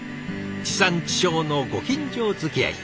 地産地消のご近所づきあい。